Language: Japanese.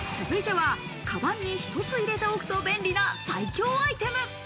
続いては、かばんに一つ入れておくと便利な最強アイテ